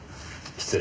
失礼。